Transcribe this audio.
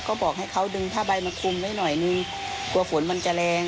ก็บอกให้เขาดึงผ้าใบมาคุมไว้หน่อยนึงกลัวฝนมันจะแรง